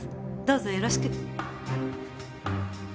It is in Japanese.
どうぞよろしく。